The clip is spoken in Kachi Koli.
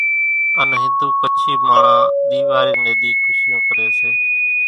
ان ھنڌو ڪڇي ماڻۿان ۮيواري ني ۮي خوشيون ڪري سي